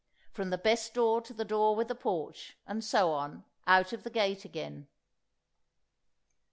from the best door to the door with the porch, and so on, out of the gate again.